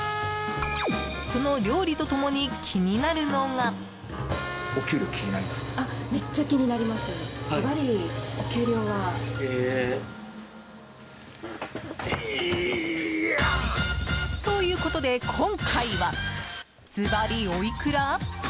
その料理と共に気になるのが。ということで今回はずばり、おいくら？